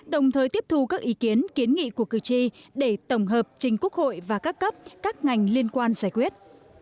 đồng thời tiếp thu các ý kiến kiến nghị của cử tri để tổng hợp trình quốc hội và các cấp các ngành liên quan giải quyết